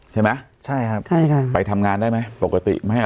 ใช่ไหมใช่ครับใช่ค่ะไปทำงานได้ไหมปกติไม่เอา